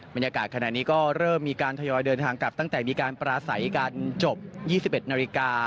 บรรยากาศขณะนี้ก็เริ่มมีการทยอยเดินทางกลับตั้งแต่มีการปราศัยกันจบ๒๑นาฬิกา